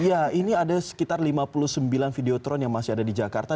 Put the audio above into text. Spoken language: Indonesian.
iya ini ada sekitar lima puluh sembilan videotron yang masih ada di jakarta